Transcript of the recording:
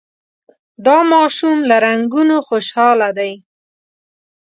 دا ماشوم له رنګونو خوشحاله دی.